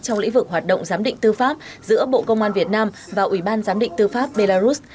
trong lĩnh vực hoạt động giám định tư pháp giữa bộ công an việt nam và ủy ban giám định tư pháp belarus